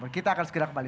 kita akan segera kembali